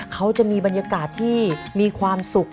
เขาจะมีบรรยากาศที่มีความสุข